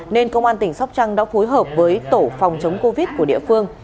nên công an tỉnh sóc trăng đã phối hợp với tổ phòng chống covid của địa phương